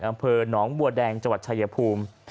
อำเภอหนองบัวแดงจชายภูมิ